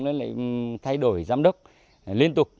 nó lại thay đổi giám đốc liên tục